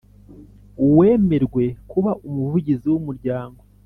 Uwemerwe kuba Umuvugizi w Umuryango